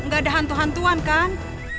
nggak ada hantu hantuan kan